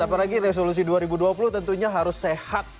apalagi resolusi dua ribu dua puluh tentunya harus sehat